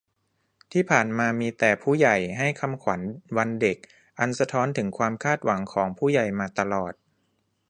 ที่ผ่านมา มีแต่ 'ผู้ใหญ่' ให้คำขวัญวันเด็ก อันสะท้อนถึงความคาดหวังของ 'ผู้ใหญ่' มาตลอด